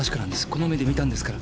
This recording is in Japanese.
この目で見たんですから。